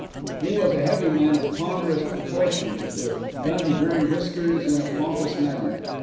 He was a heavy man of ponderous proportions, with Dundreary whiskers and a pompous manner.